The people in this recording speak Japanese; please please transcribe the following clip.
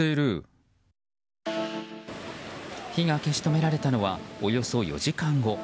火が消し止められたのはおよそ４時間後。